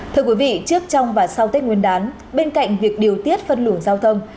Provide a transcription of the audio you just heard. thưa quý vị trước trong và sau tết nguyên đán bên cạnh việc điều tiết phân luồng giao thông